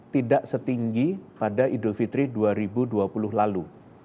tidak setinggi pada idul fitri dua ribu dua puluh lalu